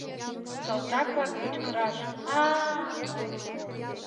Салтак-влак кычкыраш «А-а!..